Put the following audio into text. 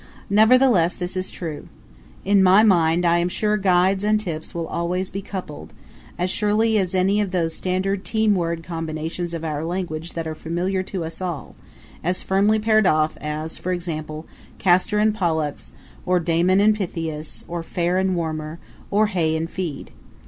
Nevertheless this is true. In my mind I am sure guides and tips will always be coupled, as surely as any of those standard team word combinations of our language that are familiar to all; as firmly paired off as, for example, Castor and Pollux, or Damon and Pythias, or Fair and Warmer, or Hay and Feed.